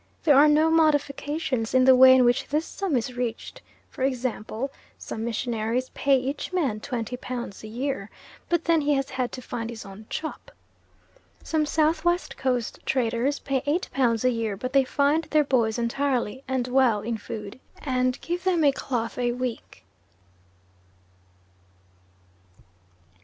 There are modifications in the way in which this sum is reached; for example, some missionaries pay each man 20 pounds a year, but then he has to find his own chop. Some South West Coast traders pay 8 pounds a year, but they find their boys entirely, and well, in food, and give them a cloth a week.